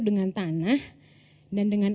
dengan tanah dan dengan